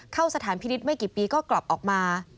สถานพินิษฐ์ไม่กี่ปีก็กลับออกมา